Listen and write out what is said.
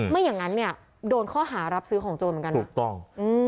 ไม่อย่างนั้นเนี่ยโดนข้อหารับซื้อของโจรเหมือนกันนะถูกต้อง